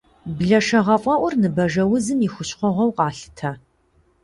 Блэшэгъэфӏэӏур ныбажэузым и хущхъуэгъуэу къалъытэ.